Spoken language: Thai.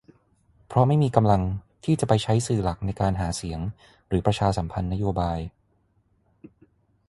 เพราะไม่มีกำลังที่จะไปใช้สื่อหลักในการหาเสียง หรือ ประชาสัมพันธ์นโยบาย